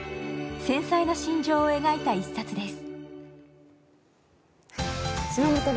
繊細な心情を描いた一冊です。